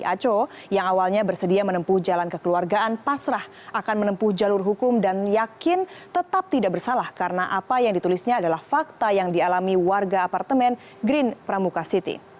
aco yang awalnya bersedia menempuh jalan kekeluargaan pasrah akan menempuh jalur hukum dan yakin tetap tidak bersalah karena apa yang ditulisnya adalah fakta yang dialami warga apartemen green pramuka city